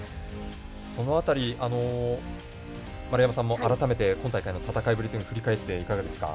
その辺り、丸山さんも今大会の戦いぶりを振り返っていかがですか？